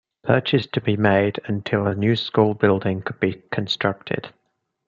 Purchase to be made, until a new school building could be constructed.